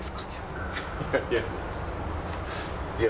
いや。